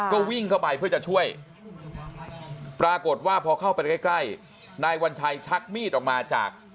ก็วิ่งเข้าไปเพื่อจะช่วยปรากฏว่าพอเข้าไปใกล้ใกล้นายวัญชัยชักมีดออกมาจาก